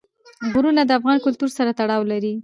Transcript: غرونه د افغان کلتور سره تړاو لري.